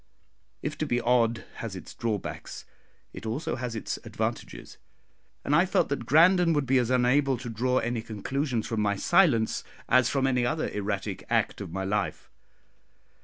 If to be odd has its drawbacks, it also has its advantages; and I felt that Grandon would be as unable to draw any conclusions from my silence as from any other erratic act of my life.